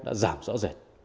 đã giảm rõ rệt